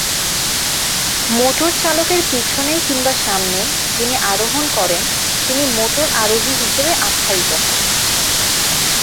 Motor চালকের পিছনে কিংবা সামনে যিনি আরোহণ করেন, তিনি মোটর আরোহী হিসেবে আখ্যায়িত হন।